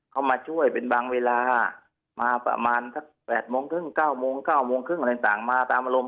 เขามาช่วยเป็นบางเวลามาประมาณสัก๘โมงครึ่ง๙โมง๙โมงครึ่งอะไรต่างมาตามอารมณ์